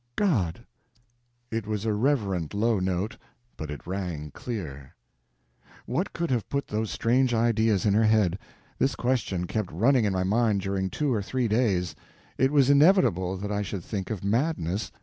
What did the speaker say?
"God." It was a reverent low note, but it rang clear. What could have put those strange ideas in her head? This question kept running in my mind during two or three days. It was inevitable that I should think of madness.